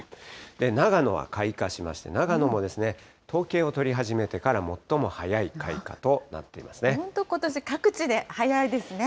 長野は開花しまして、長野も統計を取り始めてから最も早い開花と本当、ことし各地で早いですね。